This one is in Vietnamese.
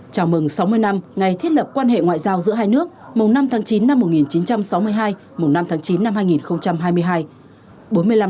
chào mừng sáu mươi năm ngày thiết lập quan hệ ngoại giao giữa hai nước mùng năm tháng chín năm một nghìn chín trăm sáu mươi hai mùng năm tháng chín năm hai nghìn hai mươi hai